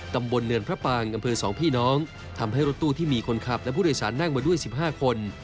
ตำบลเนินพระปางอำเภอ๒พี่น้องทำให้รถตู้ที่มีคนขับและผู้โดยสารนั่งมาด้วย๑๕คน